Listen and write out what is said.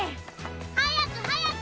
早く早く！